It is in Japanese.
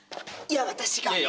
いや私が！